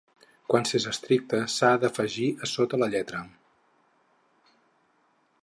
Quan s'és estricte, s'ha d'afegir a sota la lletra.